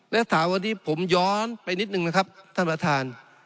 และถามวันนี้ผมย้อนไปนิดนึงนะครับท่านประธาน